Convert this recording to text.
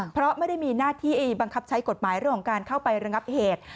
เพราะไม่ได้มีหน้าที่บังคับใช้กฎหมายเรื่องของการเข้าไประงับเหตุ